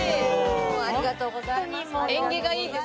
ありがとうございます。